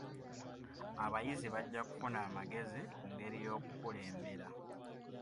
Abayizi bajja kufuna amagezi ku ngeri y'okukulembera.